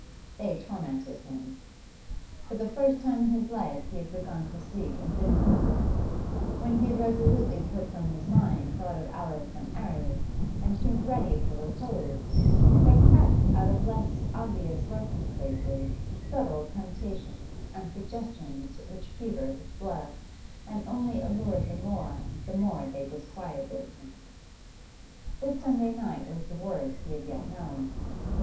They tormented him. For the first time in his life he had begun to sleep indifferently; when he had resolutely put from his mind thought of Alice and 'Arry, and seemed ready for repose, there crept out of less obvious lurking places subtle temptations and suggestions which fevered his blood and only allured the more, the more they disquieted him. This Sunday night was the worst he had yet known.